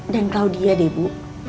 dan claudia deh bu